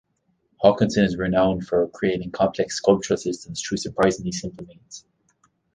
Hawkinson is renowned for creating complex sculptural systems through surprisingly simple means.